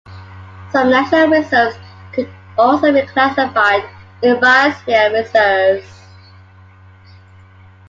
Some national reserves could also be classified as Biosphere reserves.